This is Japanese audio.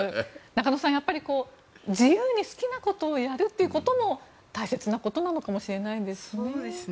中野さん、やっぱり自由に好きなことをやるということも大切なことなのかもしれないですね。